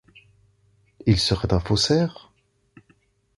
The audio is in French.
Il serait un faussaire.